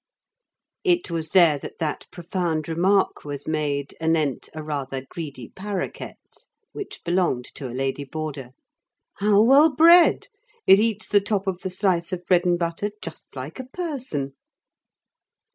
'" It was there that that profound remark was made anent a rather greedy paroquet which belonged to a lady boarder:— "How well bred! it eats the top of the slice of bread and butter just like a person!"